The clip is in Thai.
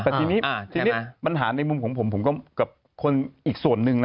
แต่ทีนี้ปัญหาในมุมของผมผมก็กับคนอีกส่วนหนึ่งนะ